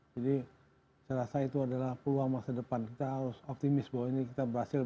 jadi saya rasa itu adalah peluang masa depan kita harus optimis bahwa ini kita berhasil